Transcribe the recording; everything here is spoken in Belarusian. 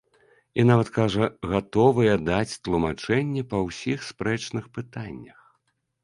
І нават, кажа, гатовыя даць тлумачэнні па ўсіх спрэчных пытаннях.